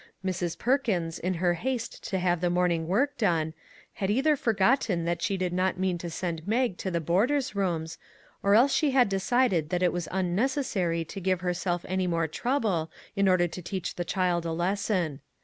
97 MAG AND MARGARET Mrs. Perkins, in her haste to have the morning work done, had either forgotten that she did not mean to send Mag to the boarders' rooms, or else she had decided that it was unnecessary to give herself any more trouble in order to teach the child a lesson.